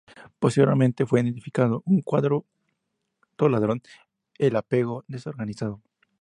Posteriormente, fue identificado un cuarto padrón, el apego desorganizado.